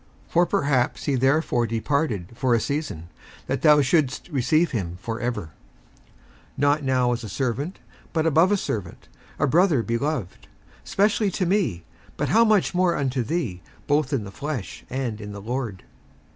57:001:015 For perhaps he therefore departed for a season, that thou shouldest receive him for ever; 57:001:016 Not now as a servant, but above a servant, a brother beloved, specially to me, but how much more unto thee, both in the flesh, and in the Lord?